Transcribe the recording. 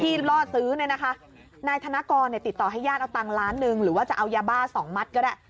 ล่อซื้อเนี่ยนะคะนายธนกรเนี่ยติดต่อให้ญาติเอาตังค์ล้านหนึ่งหรือว่าจะเอายาบ้าสองมัดก็ได้